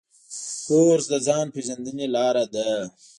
کورس د ځان پېژندنې لاره ده.